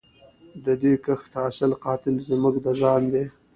د دې کښت حاصل قاتل زموږ د ځان دی